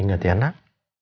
ingat ya nak